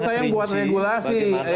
saya yang buat regulasi